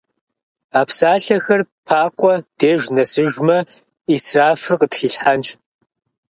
А псалъэхэр Пакъуэ деж нэсыжмэ, ӏисрафыр къытхилъхьэнщ.